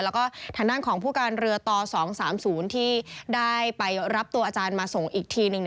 แล้วก็ทางด้านของผู้การเรือต่อ๒๓๐ที่ได้ไปรับตัวอาจารย์มาส่งอีกทีหนึ่ง